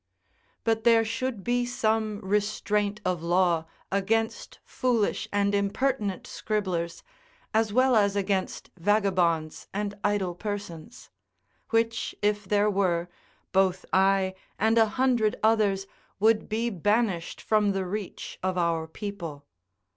But there should be some restraint of law against foolish and impertinent scribblers, as well as against vagabonds and idle persons; which if there were, both I and a hundred others would be banished from the reach of our people.